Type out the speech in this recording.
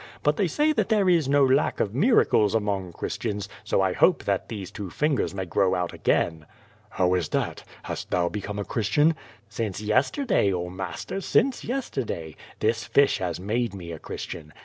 But they say that there is no lack of miracles among Christians, 80 I hope that these two fingers may grow out again." '^ow is that? Hast thou become a Christian?" "Since yesterday, oh, master, since yesterday. This fish has made me a Christian.